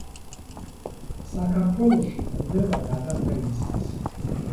საქართველოში გვხვდება გადაფრენისას.